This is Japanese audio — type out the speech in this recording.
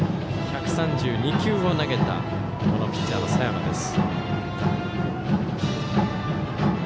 １３２球を投げたピッチャーの佐山です。